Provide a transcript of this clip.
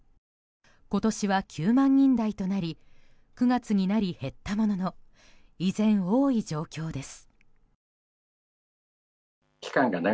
今年は９万人台となり９月になり減ったものの依然、多い状況です。